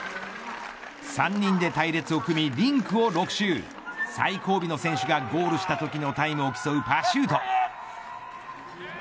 ３年で隊列を組みリンクを６周最後尾の選手がゴールしたときのタイムを競うパシュート。